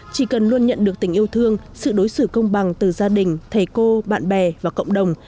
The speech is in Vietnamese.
chỉ cần luôn nhận được tình yêu thương sự đối xử công bằng từ gia đình thầy cô bạn bè và cộng đồng